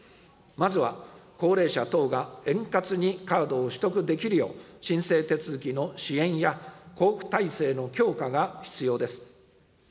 まずは、高齢者等が円滑にカードを取得できるよう、申請手続きの支援や、交付体制の強化が必要です。